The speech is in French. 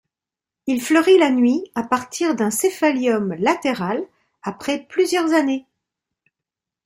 Il fleurit la nuit à partir d'un céphalium latéral après plusieurs années.